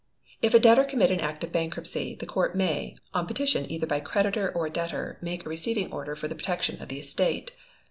If a debtor commit an act of bankruptcy, the Court may, on petition either by creditor or debtor, make a receiving order for the protection of the estate.